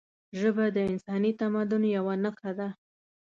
ژبه د انساني تمدن یوه نښه ده